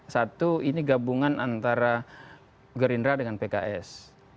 satu ini gabungan antara gerindra dengan pks